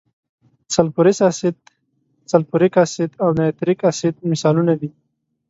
سلفورس اسید، سلفوریک اسید او نایتریک اسید مثالونه دي.